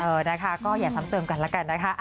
เออนะคะก็อย่าซ้ำเติมกันแล้วกันนะคะ